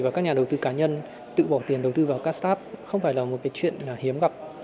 và các nhà đầu tư cá nhân tự bỏ tiền đầu tư vào các start không phải là một cái chuyện hiếm gặp